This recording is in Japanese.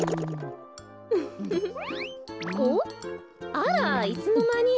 あらっいつのまに？